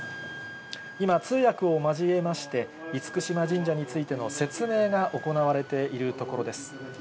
今、通訳を交えまして、厳島神社についての説明がおこなわれているところです。